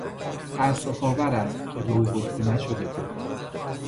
تاسف آور است که به او گفته نشده بود.